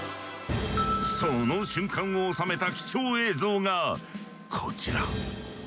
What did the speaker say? その瞬間を収めた貴重映像がコチラ。